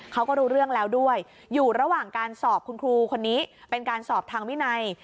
เขาก็รู้เรื่องแล้วด้วยอยู่ระหว่างการสอบคุณครูคนนี้เป็นการสอบทางวินัย